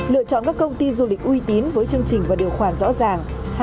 lựa chọn các công ty du lịch uy tín với chương trình và điều khoản rõ ràng